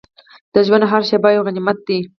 د ژوند هره شېبه یو غنیمت ده.